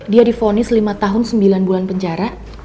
dia difonis lima tahun sembilan bulan penjara